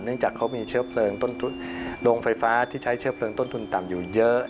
เนื่องจากเขามีโรงไฟฟ้าที่ใช้เชื้อเพลิงต้นทุนต่ำอยู่เยอะ